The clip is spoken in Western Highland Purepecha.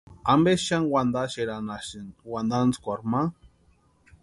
¿Ampe xani wantaxeranhaxasïni wantantskwarhu ma?